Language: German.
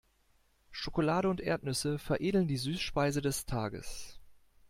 Schokolade und Erdnüsse veredeln die Süßspeise des Tages.